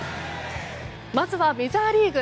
まずはメジャーリーグ。